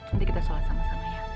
nanti kita sholat sama sama ya